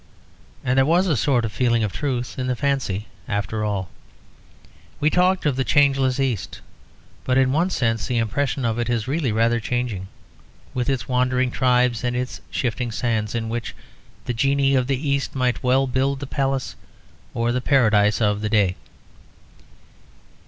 And there was a sort of feeling of truth in the fancy after all. We talk of the changeless East; but in one sense the impression of it is really rather changing, with its wandering tribes and its shifting sands, in which the genii of the East might well build the palace or the paradise of a day.